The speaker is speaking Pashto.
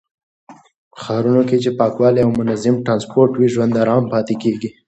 په ښارونو کې چې پاکوالی او منظم ټرانسپورټ وي، ژوند آرام پاتې کېږي.